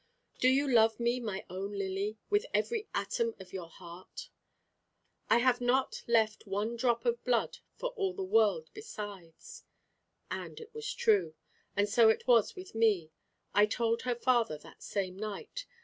"Do you love me, my own Lily, with every atom of your heart?" "I have not left one drop of blood for all the world besides." And it was true. And so it was with me. I told her father that same night.